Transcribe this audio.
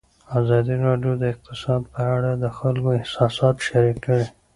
ازادي راډیو د اقتصاد په اړه د خلکو احساسات شریک کړي.